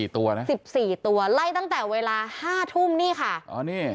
ตัวนะ๑๔ตัวไล่ตั้งแต่เวลา๕ทุ่มนี่ค่ะอ๋อนี่